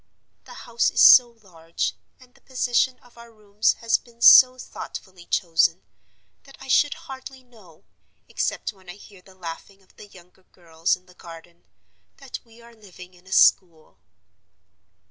The house is so large, and the position of our rooms has been so thoughtfully chosen, that I should hardly know—except when I hear the laughing of the younger girls in the garden—that we were living in a school.